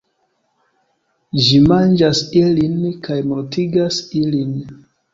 Ĝi manĝas ilin, kaj mortigas ilin.